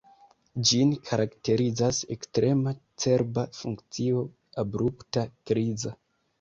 Ĝin karakterizas ekstrema cerba funkcio abrupta, kriza.